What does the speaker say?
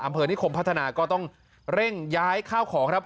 อำเภอนิคมพัฒนาก็ต้องเร่งย้ายข้าวของครับ